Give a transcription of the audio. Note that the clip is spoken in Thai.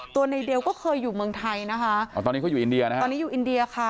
ตัวในเดี๋ยวก็เคยอยู่เมืองไทยนะคะตอนนี้เขาอยู่อินเดียนะคะ